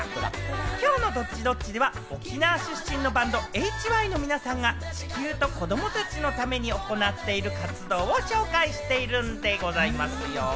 きょうのＤｏｔｔｉ‐Ｄｏｔｔｉでは、沖縄出身のバンド・ＨＹの皆さんが地球と子供たちのために行っている活動を紹介しているんでございますよ。